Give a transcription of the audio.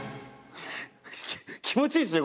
気持ちいいですね！